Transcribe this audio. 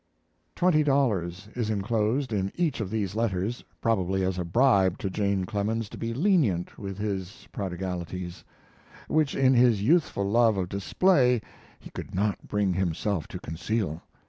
Twenty dollars is inclosed in each of these letters, probably as a bribe to Jane Clemens to be lenient with his prodigalities, which in his youthful love of display he could not bring himself to conceal.